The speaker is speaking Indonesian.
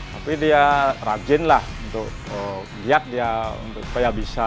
tapi dia rajinlah untuk lihat dia supaya bisa